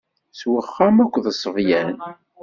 S uxxam akk d ṣṣebyan.